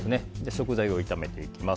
食材を炒めていきます。